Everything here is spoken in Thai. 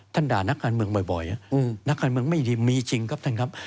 ด่านักการเมืองบ่อยนักการเมืองไม่ดีมีจริงครับท่านครับ